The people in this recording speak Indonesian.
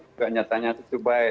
juga nyatanya itu baik